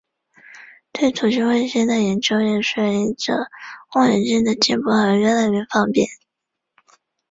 对土星卫星的研究也随着望远镜的进步而越来越方便。